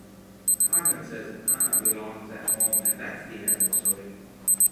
Carmen says Ana belongs at home and that's the end of the story.